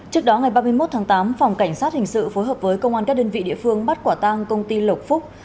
trước đó ngày ba mươi một tháng tám phòng cảnh sát hình sự phối hợp với công an các đơn vị địa phương bắt quả tang công ty lộc phúc